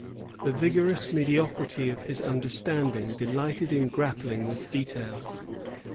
The vigorous mediocrity of his understanding delighted in grappling with details.